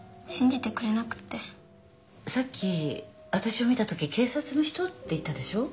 さっき私を見たとき「警察の人？」って言ったでしょ。